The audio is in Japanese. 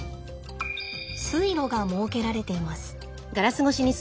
水路が設けられています。